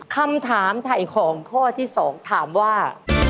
คำถามไถ่ของข้อที่๒ถามว่า